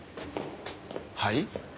はい？